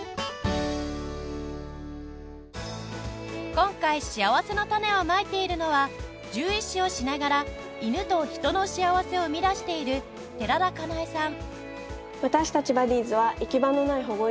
今回しあわせのたねをまいているのは獣医師をしながら犬と人の幸せを生み出している寺田かなえさん